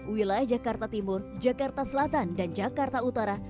wilayah jakarta timur jakarta selatan dan jakarta utara